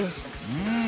うん。